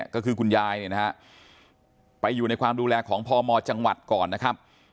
ก็คือคุณยายไปอยู่ในความดูแลของพมตรจังหวัดแล้วก่อนนะครับ